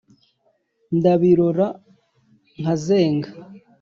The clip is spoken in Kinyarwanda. Ndabirora nkazenga